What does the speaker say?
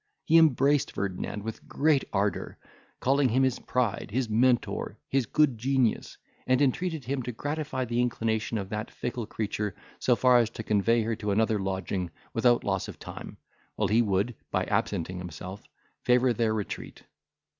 He embraced Ferdinand with great ardour, calling him his pride, his Mentor, his good genius, and entreated him to gratify the inclination of that fickle creature so far as to convey her to another lodging, without loss of time, while he would, by absenting himself, favour their retreat.